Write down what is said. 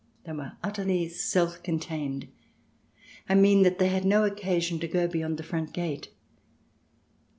They were utterly self contained — I mean that they had no occasion to go beyond the front gate.